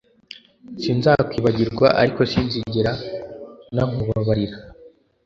sinzakwibagirwa ariko sinzigera nankubabarira